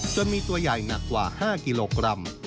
ตัวมีตัวใหญ่หนักกว่า๕กิโลกรัม